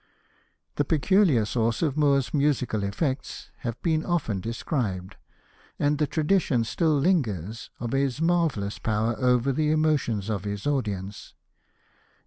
The peculiar source of Moore's musical effects have been often described, and the tradition still lingers of his marvellous power over the emotions of his audience.